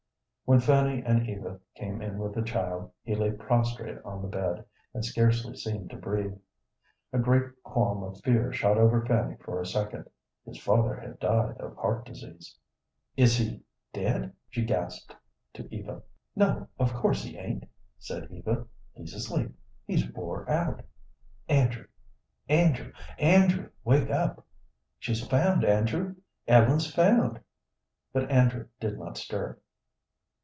When Fanny and Eva came in with the child, he lay prostrate on the bed, and scarcely seemed to breathe. A great qualm of fear shot over Fanny for a second. His father had died of heart disease. "Is he dead?" she gasped to Eva. "No, of course he ain't," said Eva. "He's asleep; he's wore out. Andrew, Andrew, Andrew, wake up! She's found, Andrew; Ellen's found." But Andrew did not stir.